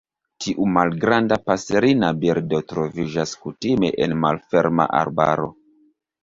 Tiu malgranda paserina birdo troviĝas kutime en malferma arbaro.